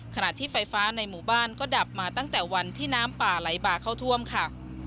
ขณะที่ไฟฟ้าในหมู่บ้านก็ดับมาตั้งแต่วันที่น้ำป่าไหลบ่าเข้าท่วมค่ะ